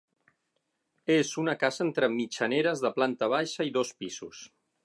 És una casa entre mitjaneres de planta baixa i dos pisos.